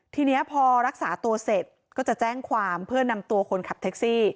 ทีนี้พอรักษาตัวเสร็จก็จะแจ้งความเพื่อนำตัวคนขับแท็กซี่